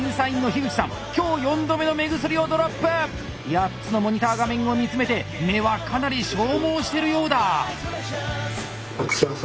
８つのモニター画面を見つめて目はかなり消耗してるようだ！